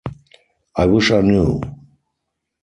I wish I knew.